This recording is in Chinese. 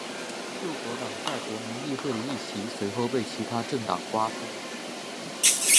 救国党在国民议会的议席随后被其它政党瓜分。